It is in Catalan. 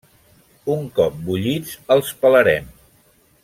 Un cop bullits els pelarem.